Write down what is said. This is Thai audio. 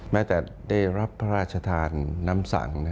แม้แต่ได้รับพระราชทานน้ำสัง